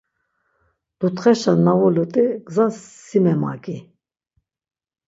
Dutxeşa na vulut̆i, gzas si memagi.